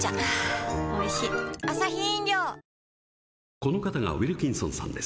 この方がウィルキンソンさんです。